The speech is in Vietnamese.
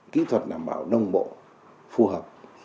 kỹ thuật đảm bảo đông bộ phù hợp